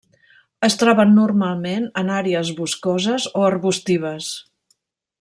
Es troben normalment en àrees boscoses o arbustives.